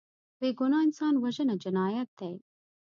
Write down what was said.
بېګناه انسان وژنه جنایت دی